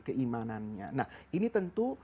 keimanannya nah ini tentu